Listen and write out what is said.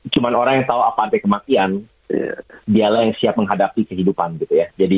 cuma orang yang tahu apa ada kematian dialah yang siap menghadapi kehidupan gitu ya